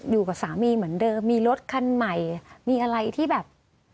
อยู่กับสามีเหมือนเดิมมีรถคันใหม่มีอะไรที่แบบ